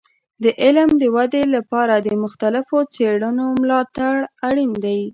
د علم د ودې لپاره د مختلفو څیړنو ملاتړ اړین دی.